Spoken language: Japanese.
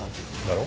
だろ？